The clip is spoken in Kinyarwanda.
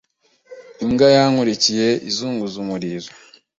Imbwa yankurikiye izunguza umurizo.